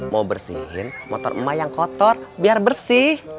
mau bersihin motor emak yang kotor biar bersih